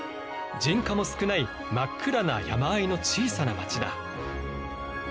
人家も少ない真っ暗な山あいの小さな町だ。